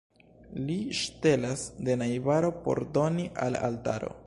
Li ŝtelas de najbaro, por doni al altaro.